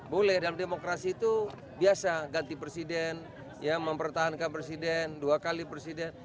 boleh dalam demokrasi itu biasa ganti presiden mempertahankan presiden dua kali presiden